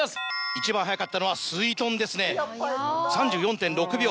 一番早かったのはすいとんですね３４．６秒。